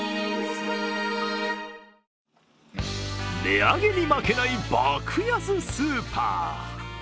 値上げに負けない爆安スーパー。